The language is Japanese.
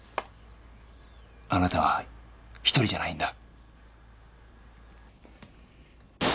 あなたは一人じゃないんだ。